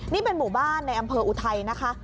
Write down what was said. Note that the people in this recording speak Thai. นี่เป็นหมู่บ้านในอำเภออุทัยนะคะ